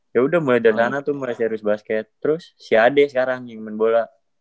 ya udah mulai dari sana tuh merasa harus basket terus si ad sekarang yang main bola